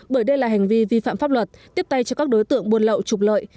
bởi đây là hành vi vi phạm pháp luật tiếp tay cho các đối tượng buôn lậu trục lợi